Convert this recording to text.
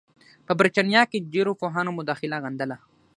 په برټانیه کې ډېرو پوهانو مداخله غندله.